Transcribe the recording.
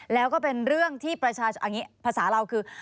แล้วก็เป็นเรื่องที่ประชาชนเอาอย่างนี้ภาษาเราคือ